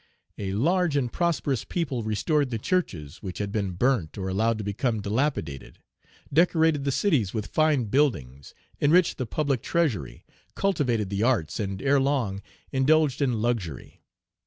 A large and prosperous people restored the churches, which had been burnt or allowed to become dilapidated, decorated the cities with fine buildings, enriched the public treasury, cultivated the arts, and erelong indulged in luxury.